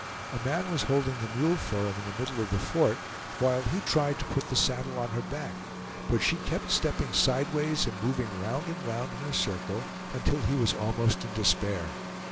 A man was holding the mule for him in the middle of the fort, while he tried to put the saddle on her back, but she kept stepping sideways and moving round and round in a circle until he was almost in despair.